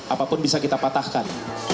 apapun bisa kita patahkan